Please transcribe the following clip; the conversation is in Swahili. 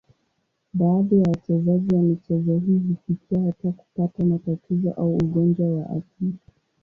Baadhi ya wachezaji wa michezo hii hufikia hata kupata matatizo au ugonjwa wa akili.